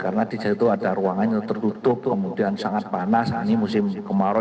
karena di situ ada ruangannya tertutup kemudian sangat panas ini musim kemarau